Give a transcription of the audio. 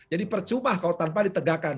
jadi percuma kalau tanpa ditegakkan